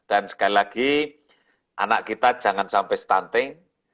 dan sekali lagi anak kita jangan sampai stunting